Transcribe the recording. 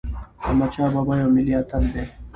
احمدشاه بابا یو ملي اتل دی.